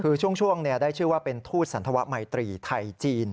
คือช่วงได้ชื่อว่าเป็นทูตสันธวะมัยตรีไทยจีน